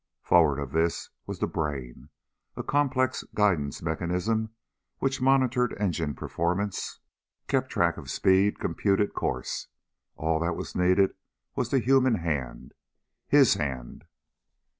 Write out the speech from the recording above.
Forward of this was the Brain, a complex guidance mechanism which monitored engine performance, kept track of speed, computed course. All that was needed was the human hand. His hand.